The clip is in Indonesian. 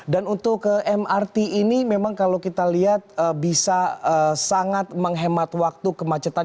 dan untuk ke mrt ini memang kalau kita lihat bisa sangat menghemat waktu kemacetan